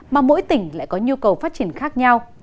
mà mỗi tỉnh lại có nhu cầu phát triển khác nhau